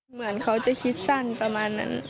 เหมือนเขาจะคิดสั้นประมาณนั้น